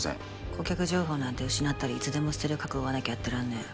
顧客情報なんて失ったらいつでも捨てる覚悟がなきゃやってらんねぇ。